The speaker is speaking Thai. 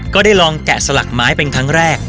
ก็ได้ลองแกะสลักไม้เป็นครั้งแรก